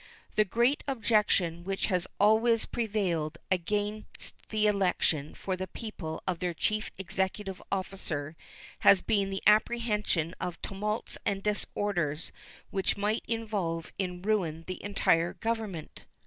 The great objection which has always prevailed against the election by the people of their chief executive officer has been the apprehension of tumults and disorders which might involve in ruin the entire Government.